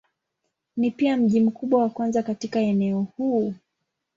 Ni pia mji mkubwa wa kwanza katika eneo huu.